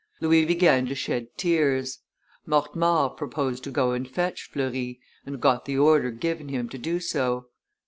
Louis began to shed tears; Mortemart proposed to go and fetch Fleury, and got the order given him to do so.